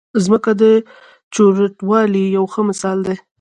مځکه د چورلټوالي یو ښه مثال دی.